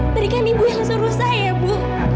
berikan ibu yang suruh saya bu